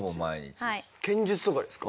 剣術とかですか？